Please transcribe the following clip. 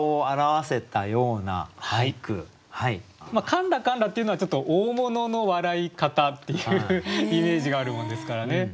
「かんらかんら」っていうのはちょっと大物の笑い方っていうイメージがあるもんですからね。